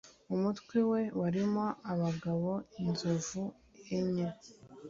umutwe we warimo abagabo inzovu enye